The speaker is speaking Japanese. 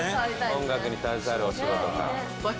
音楽に携わるお仕事がねえ